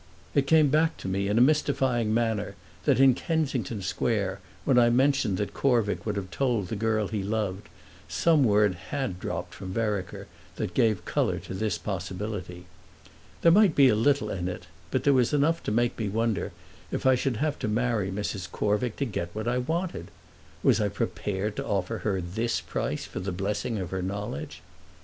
It came back to me in a mystifying manner that in Kensington Square, when I mentioned that Corvick would have told the girl he loved, some word had dropped from Vereker that gave colour to this possibility. There might be little in it, but there was enough to make me wonder if I should have to marry Mrs. Corvick to get what I wanted. Was I prepared to offer her this price for the blessing of her knowledge?